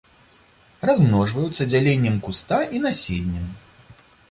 Размножваюцца дзяленнем куста і насеннем.